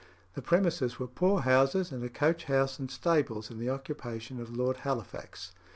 The premises were poor houses, and a coach house and stables in the occupation of Lord Halifax.